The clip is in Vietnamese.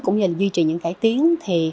cũng như là duy trì những cải tiến